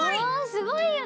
すごいよね！